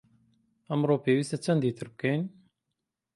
ئەمڕۆ پێویستە چەندی تر بکەین؟